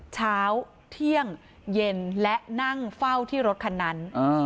เช้าเที่ยงเย็นและนั่งเฝ้าที่รถคันนั้น